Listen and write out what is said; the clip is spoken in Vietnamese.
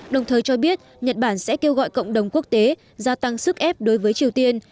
đồng thời cho biết nhật bản sẽ kêu gọi cộng đồng quốc tế gia tăng sức ép đối với triều tiên